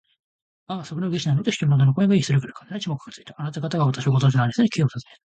「ああ、測量技師なのね」と、一人の女の声がいい、それから完全な沈黙がつづいた。「あなたがたは私をご存じなんですね？」と、Ｋ はたずねた。